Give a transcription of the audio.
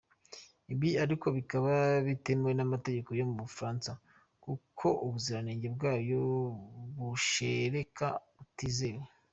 Ibi ariko bikaba bitemewe n’amategeko yo mu Bufaransa kuko ubuziranenge bwayo mashereka butizewe.